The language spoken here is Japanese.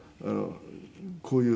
こういう。